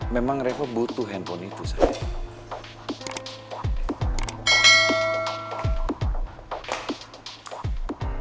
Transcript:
memang reva butuh hp itu sayang